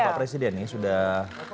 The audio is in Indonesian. bapak presiden ini sudah